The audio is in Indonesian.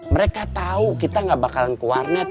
mereka tahu kita gak bakalan ke warnet